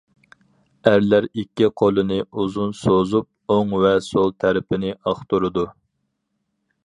ئەرلەر ئىككى قولىنى ئۇزۇن سوزۇپ ئوڭ ۋە سول تەرىپىنى ئاختۇرىدۇ.